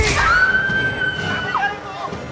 สามีสามี